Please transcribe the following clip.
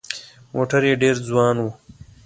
موټر یې ډېر ځوان و.